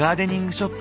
ショップ